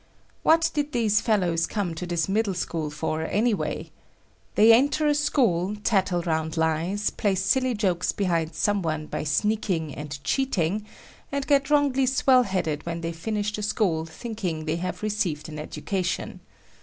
What did these fellows come to this middle school for, anyway? They enter a school, tattle round lies, play silly jokes behind some one by sneaking and cheating and get wrongly swell headed when they finish the school thinking they have received an education.